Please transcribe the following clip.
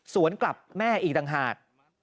สวนกลับแม่อีกดังหาด